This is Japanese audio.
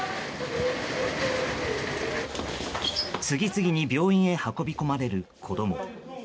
次々に病院へ運び込まれる子供。